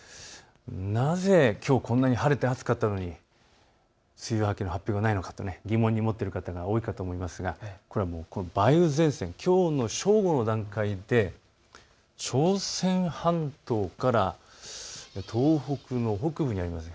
なぜ、きょうこんなに晴れて暑かったのに梅雨明けの発表がないのかと疑問に思っている方が多いと思いますが梅雨前線、きょうの正午の段階で朝鮮半島から東北の北部にありますね。